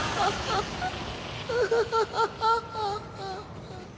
ハハハハハハハ。